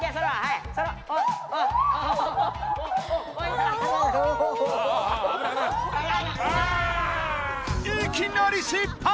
いきなり失敗！